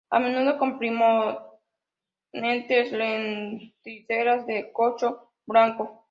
A menudo con prominentes, lenticelas de corcho blanco.